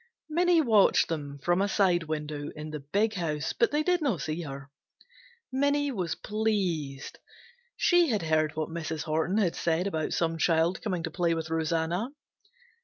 Minnie watched them from a side window in the big house but they did not see her. Minnie was pleased. She had heard what Mrs. Horton had said about some child coming to play with Rosanna.